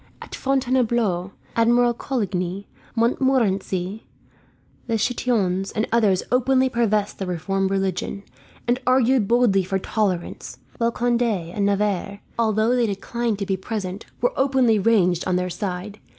At Fontainebleau Admiral Coligny, Montmorency, the Chatillons, and others openly professed the reformed religion, and argued boldly for tolerance; while Conde and Navarre, although they declined to be present, were openly ranged on their side.